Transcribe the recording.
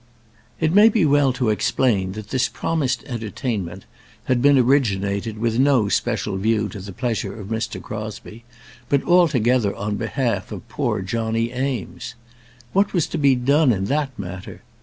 It may be well to explain that this promised entertainment had been originated with no special view to the pleasure of Mr. Crosbie, but altogether on behalf of poor Johnny Eames. What was to be done in that matter?